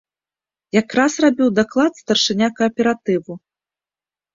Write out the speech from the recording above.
Якраз рабіў даклад старшыня кааператыву.